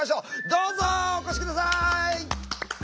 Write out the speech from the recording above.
どうぞお越し下さい！